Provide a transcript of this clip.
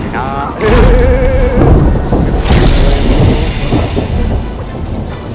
jangan sikai kamu kecoh